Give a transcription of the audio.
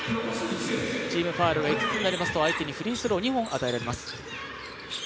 チームファウルが５つになりますと相手にフリースロー２本与えてしまいます。